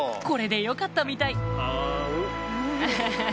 これで良かったみたいあん。